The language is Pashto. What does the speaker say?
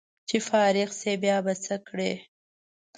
چې فارغ شې بیا به څه کړې